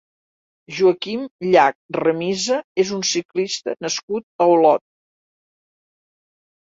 Joaquim Llach Ramisa és un ciclista nascut a Olot.